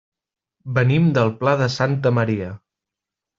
Venim del Pla de Santa Maria.